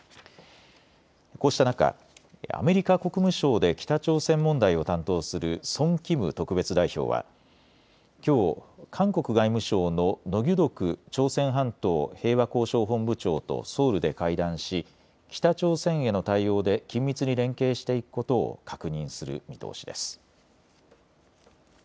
こうした中、アメリカ国務省で北朝鮮問題を担当するソン・キム特別代表はきょう、韓国外務省のノ・ギュドク朝鮮半島平和交渉本部長とソウルで会談し北朝鮮への対応で緊密に連携していくことを確認する見通しです。